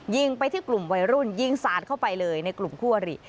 ยิงไปที่กลุ่มวัยรุ่นยิงสาดเข้าไปเลยในกลุ่มคู่อริ